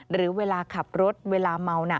หรือเวลาขับรถเวลาเมาน่ะ